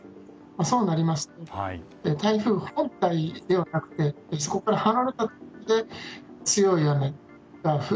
そうなりますと台風本体ではなくてそこから離れたところで強い雨が降る。